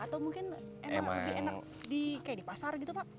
atau mungkin emang lebih enak di pasar gitu pak